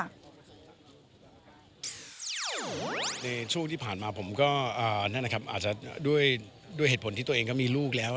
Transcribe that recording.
ในช่วงที่ผ่านมาผมก็นั่นนะครับอาจจะด้วยเหตุผลที่ตัวเองก็มีลูกแล้ว